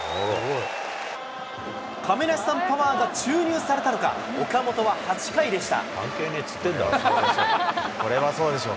亀梨さんパワーが注入されたのか、岡本は８回でした。